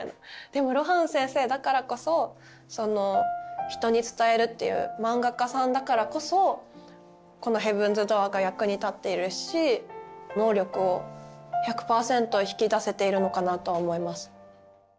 でも露伴先生だからこそその人に伝えるっていう漫画家さんだからこそこの「ヘブンズ・ドアー」が役に立っているし能力を１００％引き出せているのかなとは思います。